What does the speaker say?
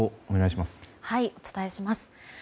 お伝えします。